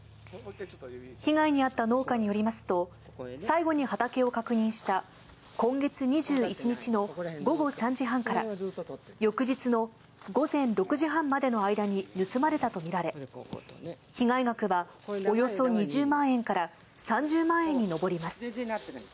被害に遭った農家によりますと、最後に畑を確認した今月２１日の午後３時半から、翌日の午前６時半までの間に盗まれたと見られ、被害額はおよそ２０万円から３０万円に上ります。